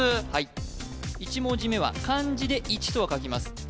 はい１文字目は漢字で「一」とは書きます